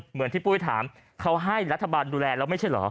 เหมือนที่ปุ้ยถามเขาให้รัฐบาลดูแลแล้วไม่ใช่เหรอ